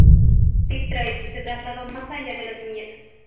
Dick Tracy se trasladó más allá de las viñetas.